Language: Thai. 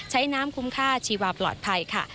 ใช้น้ำคุ้มค่าชีวาปลอดภัยค่ะ